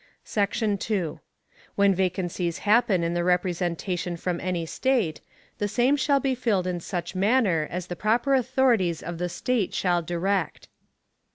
Section 2. When vacancies happen in the representation from any State, the same shall be filled in such manner as the proper authorities of the State shall direct.